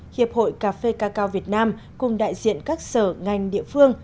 hiệp hội cà phê cà cao việt nam cùng đại diện các sở ngành địa phương